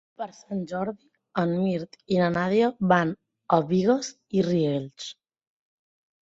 Per Sant Jordi en Mirt i na Nàdia van a Bigues i Riells.